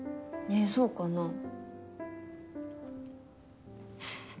えそうかな？